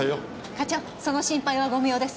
課長その心配はご無用です。